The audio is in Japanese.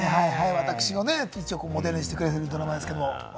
私をモデルにしてくれてるドラマですけれども。